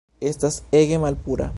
Estas ege malpura